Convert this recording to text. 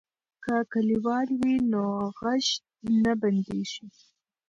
که کلیوال وي نو غږ نه بندیږي.